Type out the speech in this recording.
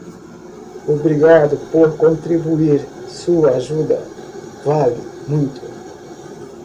Obrigado por contribuir, sua ajuda vale muito.